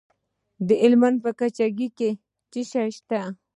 د هلمند په کجکي کې څه شی شته؟